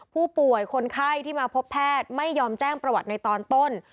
ผู้ป่วยคนไข้ที่มาพบแพทย์ไม่ยอมแจ้งประวัติในตอนต้น